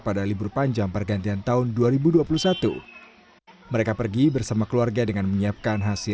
pada libur panjang pergantian tahun dua ribu dua puluh satu mereka pergi bersama keluarga dengan menyiapkan hasil